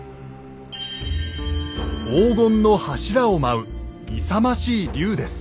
黄金の柱を舞う勇ましい龍です。